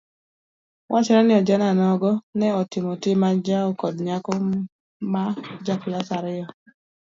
Wachore ni ojana nogo ne otimo tim anjawo kod nyakono ma ja klas ariyo.